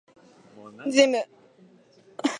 ジム